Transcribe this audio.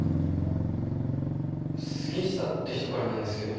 杉下って人からなんですけど。